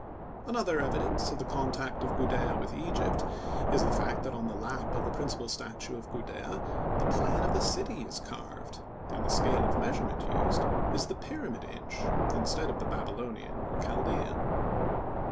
Another evidence of the contact of Gudea with Egypt is the fact that on the lap of the principal statue of Gudea the plan of the city is carved, and the scale of measurement used is the "pyramid inch," instead of the Babylonian or Chaldean.